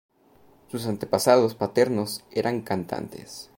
Sus antepasados paternos eran cantantes.